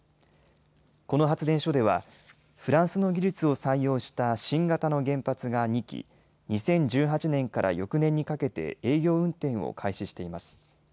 この発電所ではフランスの技術を採用した新型の原発が２基、２０１８年から翌年にかけて営業運転を開始しています。